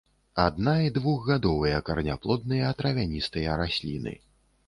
Адна- і двухгадовыя караняплодныя травяністыя расліны.